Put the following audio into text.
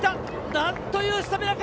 なんというスタミナか！